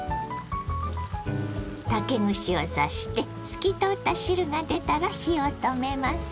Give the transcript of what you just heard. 竹串を刺して透き通った汁が出たら火を止めます。